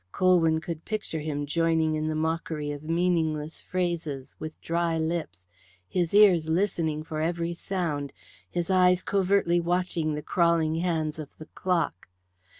Colwyn could picture him joining in the mockery of meaningless phrases with dry lips, his ears listening for every sound, his eyes covertly watching the crawling hands of the clock.